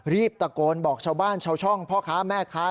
รีบตะโกนบอกชาวบ้านชาวช่องพ่อค้าแม่ค้า